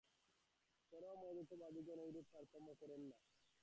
চরম অদ্বৈতবাদিগণ এইরূপ তারতম্য করেন না।